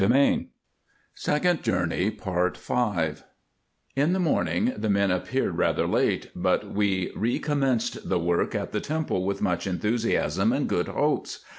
206 RESEARCHES AND OPERATIONS In the morning the men appeared rather late, but we recom menced the work at the temple with much enthusiasm and good hopes.